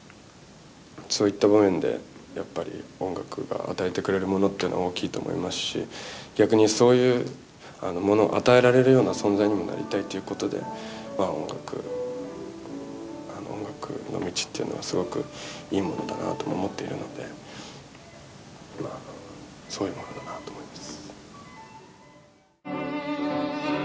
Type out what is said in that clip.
そういった場面でやっぱり音楽が与えてくれるものっていうのは大きいと思いますし逆にそういうものを与えられるような存在にもなりたいっていうことでまあ音楽音楽の道っていうのはすごくいいものだなあとも思っているのでそういうものだなあと思います。